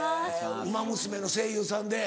『ウマ娘』の声優さんで。